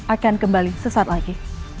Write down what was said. akan kembali sesaat lagi